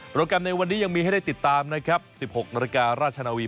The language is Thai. แกรมในวันนี้ยังมีให้ได้ติดตามนะครับ๑๖นาฬิการาชนาวี